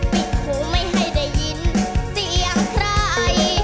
ปิดหูไม่ให้ได้ยินเสียงใคร